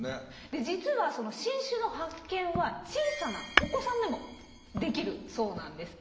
で実は新種の発見は小さなお子さんでもできるそうなんです。